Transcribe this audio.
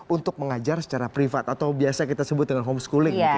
untuk mengajar secara privat atau biasa kita sebut dengan homeschooling